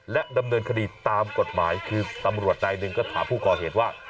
และดำเนินคดีตามกฎหมายคือตำรวจนายหนึ่งก็ถามผู้ก่อเหตุว่า